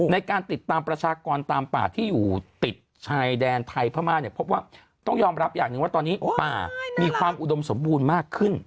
ในการติดตามประชากรตามป่าที่อยู่ติดชายแดนไทยพม่าเนี่ยพบว่าต้องยอมรับอย่างหนึ่งว่าตอนนี้ป่ามีความอุดมสมบูรณ์มากขึ้น